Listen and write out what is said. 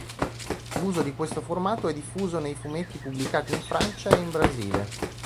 L'uso di questo formato è diffuso nei fumetti pubblicati in Francia e in Brasile.